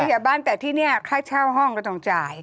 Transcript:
อย่าบ้านแต่ที่นี่ค่าเช่าห้องก็ต้องจ่าย